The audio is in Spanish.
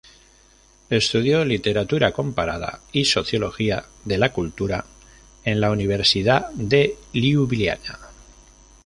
Estudió literatura comparada y sociología de la cultura en la Universidad de Liubliana.